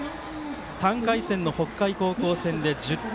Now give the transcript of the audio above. ３回戦の北海高校戦で１０点。